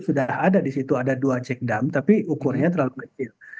sudah ada di situ ada dua jack dump tapi ukurnya terlalu kecil